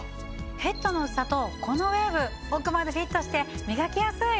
ヘッドの薄さとこのウェーブ奥までフィットして磨きやすい！